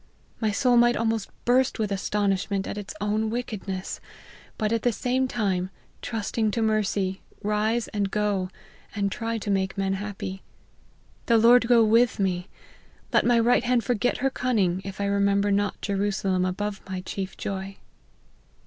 My soul might almost burst with astonishment at its own wickedness ! but at the same time, trusting to mer cy, rise and go, and try to make men happy. The Lord go with me ! Let my right hand forget her cunning, if I remember not Jerusalem above my chief joy."